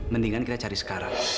mendingan kita cari sekarang